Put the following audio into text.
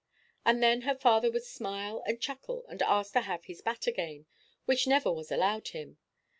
And then her father would smile and chuckle, and ask to have his bat again; which never was allowed him.